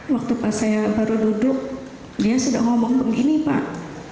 waktu pas saya baru duduk dia sudah ngomong begini pak